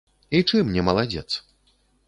І чым не маладзец?